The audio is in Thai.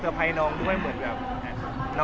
ครับอย่างที่ไม่คุยแหละ